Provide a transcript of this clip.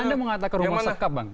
anda mengatakan rumah sekap bang